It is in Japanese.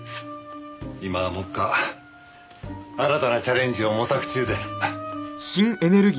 今は目下新たなチャレンジを模索中です。